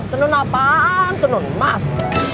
tenun apaan tenun emas